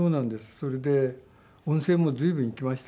それで温泉も随分行きましたし。